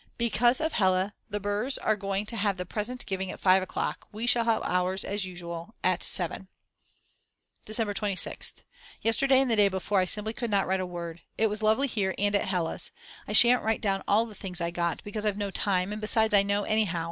Because of Hella the Br's are going to have the present giving at 5 o'clock, we shall have ours as usual at 7. December 26th. Yesterday and the day before I simply could not write a word. It was lovely here and at Hella's. I shan't write down all the things I got, because I've no time, and besides I know anyhow.